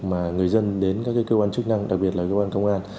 mà người dân đến các cơ quan chức năng đặc biệt là cơ quan công an